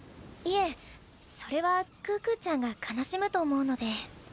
いえそれは可可ちゃんが悲しむと思うので。